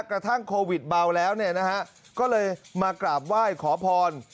กระทั่งโควิดเบาแล้วเนี่ยนะฮะก็เลยมากราบไหว้ขอพร